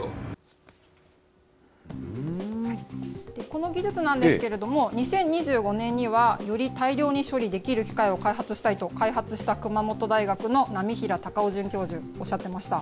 この技術なんですけれども、２０２５年には、より大量に処理できる機械を開発したいと、開発した熊本大学の浪平隆男准教授、おっしゃってました。